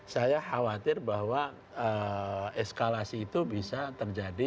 saya khawatir bahwa eskalasi itu bisa terjadi